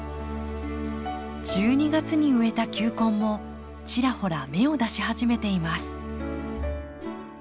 １２月に植えた球根もちらほら芽を出し始めています。